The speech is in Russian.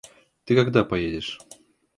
Ты когда поедешь?